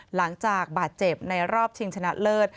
หลังจากบาดเจ็บในรอบชิงชนะเลิศ